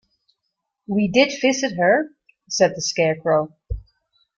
"We did visit her," said the Scarecrow.